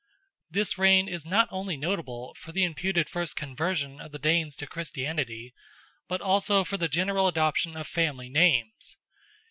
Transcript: This reign is not only notable for the imputed first conversion of the Danes to Christianity, but also for the general adoption of family names.